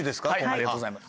ありがとうございます。